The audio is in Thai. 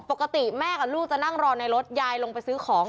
ปกติแม่กับลูกจะนั่งรอในรถยายลงไปซื้อของ